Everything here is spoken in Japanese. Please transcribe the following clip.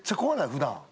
普段。